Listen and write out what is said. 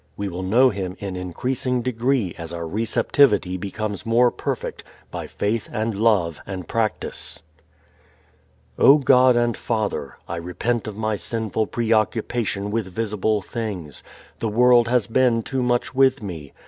We will know Him in increasing degree as our receptivity becomes more perfect by faith and love and practice. _O God and Father, I repent of my sinful preoccupation with visible things. The world has been too much with me.